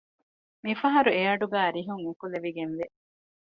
މިފަހަރު އެއަޑުގައި ރިހުން އެކުލެވިގެންވެ